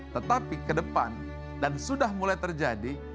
tetapi ke depan dan sudah mulai terjadi